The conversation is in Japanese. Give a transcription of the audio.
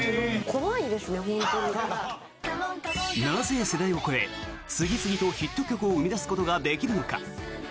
なぜ、世代を超え次々とヒット曲を生み出すことができるのか。